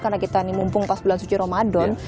karena kita ini mumpung pas bulan suci ramadan